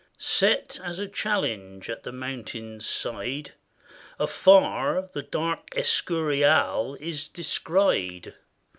] Set as a challenge at the mountain's side, Afar the dark Escurial is descried.